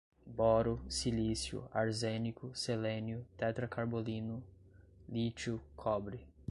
boro, silício, arsênico, selênio, tetracarbolino, lítio, cobre